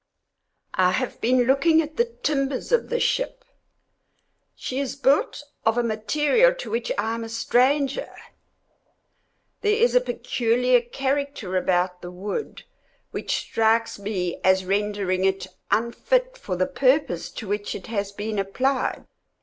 I have been looking at the timbers of the ship. She is built of a material to which I am a stranger. There is a peculiar character about the wood which strikes me as rendering it unfit for the purpose to which it has been applied.